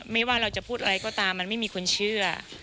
ไม่ว่าเราจะพูดอะไรก็ตามมันไม่มีคนเชื่อ